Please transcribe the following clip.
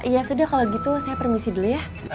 ya sudah kalau gitu saya permisi dulu ya